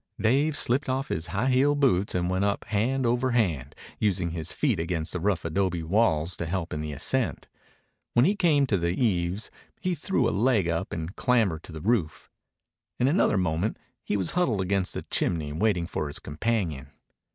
Dave slipped off his high heeled boots and went up hand over hand, using his feet against the rough adobe walls to help in the ascent. When he came to the eaves he threw a leg up and clambered to the roof. In another moment he was huddled against the chimney waiting for his companion.